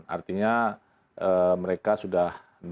artinya mereka sudah